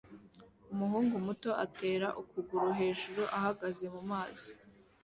Umuhungu muto atera ukuguru hejuru ahagaze mumazi